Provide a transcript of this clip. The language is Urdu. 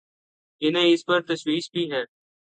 انہیں اس پر تشویش بھی ہے۔